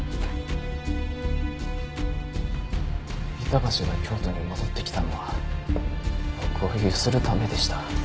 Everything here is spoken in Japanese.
板橋が京都に戻ってきたのは僕をゆするためでした。